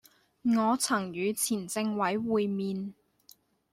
我曾與前政委會面